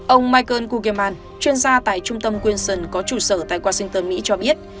ông michael guggemann chuyên gia tại trung tâm quinson có trụ sở tại washington mỹ cho biết